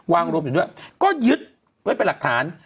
รวมอยู่ด้วยก็ยึดไว้เป็นหลักฐาน